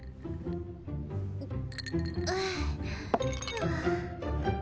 はあ。